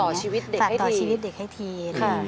ฝากต่อชีวิตเด็กให้ทีฝากต่อชีวิตเด็กให้ที